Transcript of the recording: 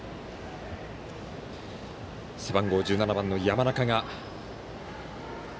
背番号１７番の山中が。